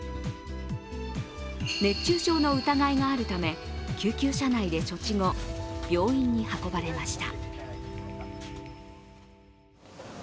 熱中症の疑いがあるため救急車内で処置後病院に運ばれました。